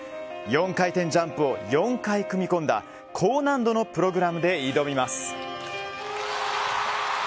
４回転ジャンプを４回組み込んだ高難度のプログラムで挑みます。